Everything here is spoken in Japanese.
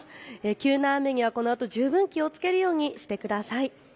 急な雨にはこのあと十分気をつけるようにしてください。